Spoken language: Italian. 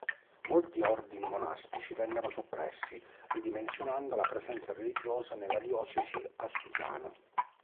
Molti ordini monastici vennero soppressi, ridimensionando la presenza religiosa nella diocesi astigiana.